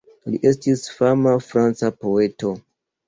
Li estis fama franca poeto.